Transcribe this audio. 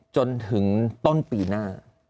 จนถึงต้นปีหน้า